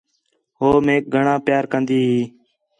ہو میک گھݨاں پیارا کندی ہی